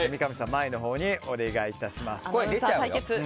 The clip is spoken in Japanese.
前のほうにお願いします。